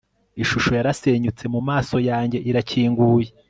ishusho yarasenyutse ... mumaso yanjye irakinguye